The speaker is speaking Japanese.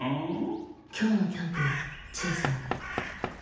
きょうのキャンプはチエさんがいない。